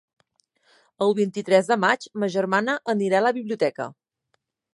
El vint-i-tres de maig ma germana anirà a la biblioteca.